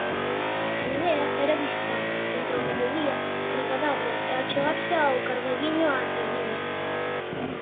A idea era visitar, contra o mediodía, Ribadavia e achegarse ao Carballiño á tardiña.